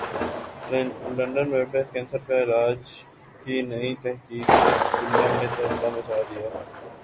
London web desk cancer کے علاج کی نئی تحقیق نے اس دنیا میں تہلکہ مچا دیا ہے